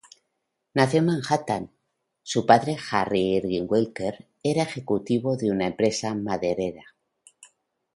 Nació en Manhattan, su padre, Harry Irving Winkler, era ejecutivo de una empresa maderera.